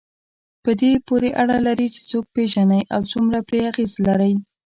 په دې پورې اړه لري چې څوک پېژنئ او څومره پرې اغېز لرئ.